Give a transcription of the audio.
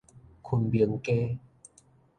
昆明街